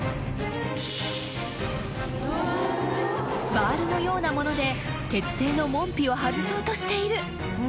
［バールのようなもので鉄製の門扉を外そうとしている］